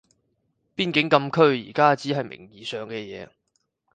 邊境禁區而家只係名義上嘅嘢